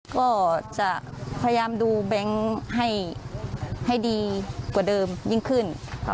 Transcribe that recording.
ก็จะพยายามดูแบงค์ให้ดีกว่าเดิมยิ่งขึ้น